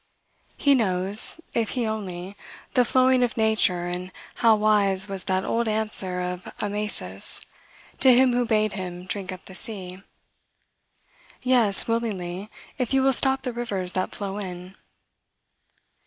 He knows, if he only, the flowing of nature and how wise was that old answer of Amasis to him who bade him drink up the sea, "Yes, willingly, if you will stop the rivers that flow in."